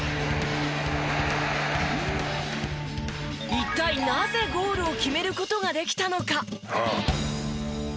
一体なぜゴールを決める事ができたのか？